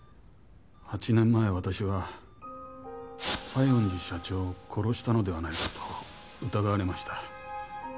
８年前私は西園寺社長を殺したのではないかと疑われました。